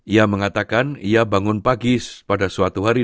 ia mengatakan ia bangun pagi pada suatu hari